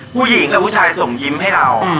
ผู้หญิงกับผู้ชายส่งยิ้มให้เรา